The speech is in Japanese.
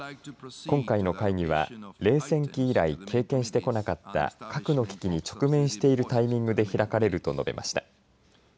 今回の会議は冷戦期以来経験してこなかった核の危機に直面しているタイミングで開かれると述べました。